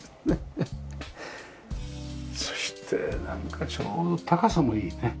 そしてなんかちょうど高さもいいね。